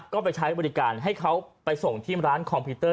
ก็ไปใช้บริการให้เขาไปส่งที่ร้านคอมพิวเตอร์